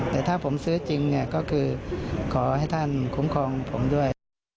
แต่ถ้าผมซื้อจริงก็คือขอให้ท่านคุ้มครองผมด้วย